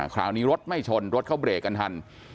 คราวนี้รถไม่ชนรถเขาเบรกกันทัน